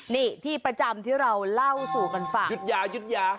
นี่ที่ประจำที่เราเล่าสู่กันฟังยุธยายุทธยา